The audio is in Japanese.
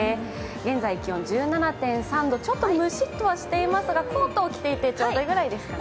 現在気温１７．３度、ちょっとムシッとはしていますが、コートを着ていてちょうどいいぐらいですかね。